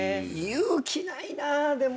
勇気ないなでも。